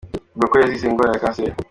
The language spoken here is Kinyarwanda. Bivugwa ko yazize ingwara ya cancer.